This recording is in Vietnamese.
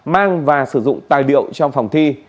mang và sử dụng tài liệu trong phòng thi